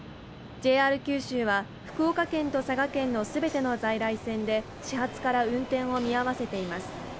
ＪＲ九州は福岡県と佐賀県のすべての在来線で始発から運転を見合わせています